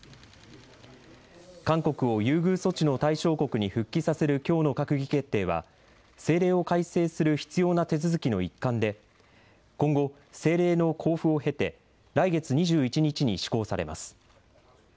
韓国を優遇措置の対象国に復帰させるきょうの閣議決定は、政令を改正する必要な手続きの一環で、今後、政令の公布を経て、来月２１日に施行されます。